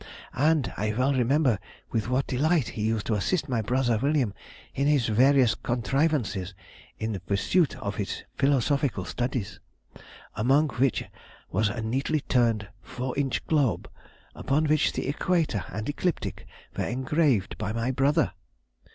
And I well remember with what delight he used to assist my brother William in his various contrivances in the pursuit of his philosophical studies, among which was a neatly turned 4 inch globe, upon which the equator and ecliptic were engraved by my brother."